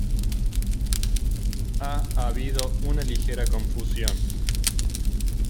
Ha habido una ligera confusión.